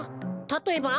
たとえば？